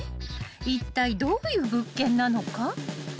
［いったいどういう物件なのか］